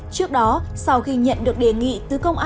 trước đó sau khi nhận được đề nghị từ công an